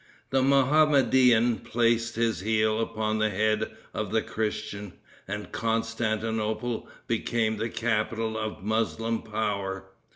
The Mohammedan placed his heel upon the head of the Christian, and Constantinople became the capital of Moslem power.